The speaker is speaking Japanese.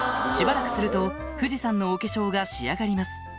しばらくすると富士山のお化粧が仕上がります。